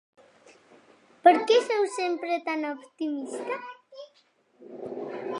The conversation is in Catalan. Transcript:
Per què sou sempre tan optimista?